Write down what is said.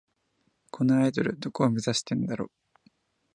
このアイドル、どこを目指してんだろ